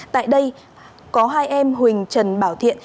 tại đây có hai em huỳnh trần bảo thiện